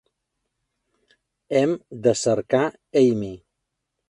Hem de cercar Amy.